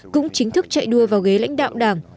cũng chính thức chạy đua vào ghế lãnh đạo đảng